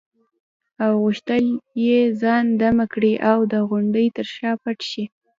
او غوښتل یې ځان دمه کړي او د غونډې تر شا پټ شي.